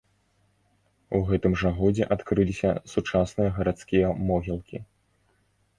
У гэтым жа годзе адкрыліся сучасныя гарадскія могілкі.